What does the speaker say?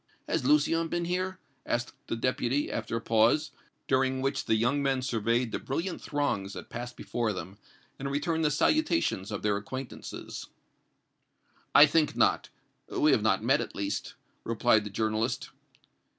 "Has Lucien been here?" asked the Deputy, after a pause, during which the young men surveyed the brilliant throngs that passed before them and returned the salutations of their acquaintances. "I think not. We have not met, at least," replied the journalist.